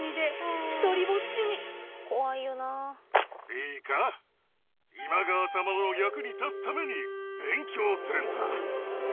いいか今川様の役に立つために勉強するんだ。